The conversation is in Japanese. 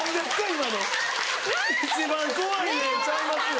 今の「一番怖いねん」ちゃいますよ。